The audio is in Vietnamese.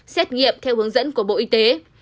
xét nghiệm theo hướng dẫn của bộ y tế